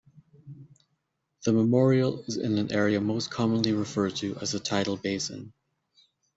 The memorial is in an area most commonly referred to as the Tidal Basin.